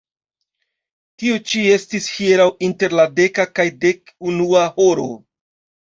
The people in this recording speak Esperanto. Tio ĉi estis hieraŭ inter la deka kaj dek unua horo.